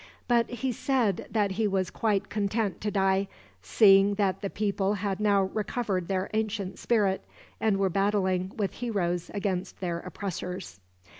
But he said that he was quite content to die, seeing that the people had now recovered their ancient spirit, and were battling with heroes against their oppressors."